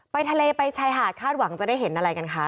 ไปทะเลไปชายหาดคาดหวังจะได้เห็นอะไรกันคะ